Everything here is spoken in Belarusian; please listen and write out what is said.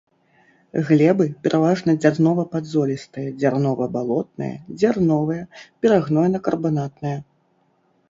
Глебы пераважна дзярнова-падзолістыя, дзярнова-балотныя, дзярновыя, перагнойна-карбанатныя.